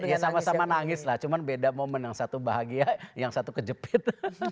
ya sama sama nangis lah cuma beda momen yang satu bahagia yang satu kejepit